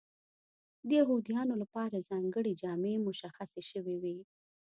د یهودیانو لپاره ځانګړې جامې مشخصې شوې وې.